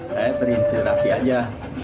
saya terinspirasi aja